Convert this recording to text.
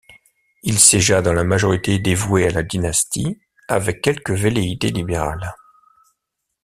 Il siégea dans la majorité dévouée à la dynastie, avec quelques velléités libérales.